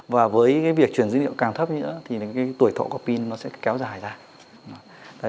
và với cái việc chuyển dữ liệu càng thấp nữa thì cái tuổi thổ của pin nó sẽ kéo dài ra